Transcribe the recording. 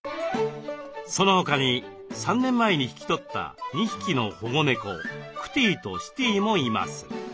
そのほかに３年前に引き取った２匹の保護猫クティとシティもいます。